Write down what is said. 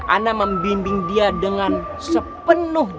anak membimbing dia dengan sepenuh